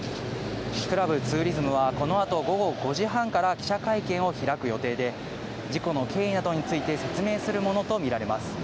クラブツーリズムは、このあと午後５時半から記者会見を開く予定で、事故の経緯などについて説明するものと見られます。